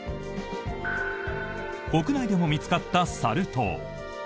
国内でも見つかったサル痘。